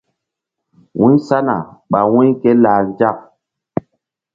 Wu̧y sana ɓa wu̧y ké lah nzak.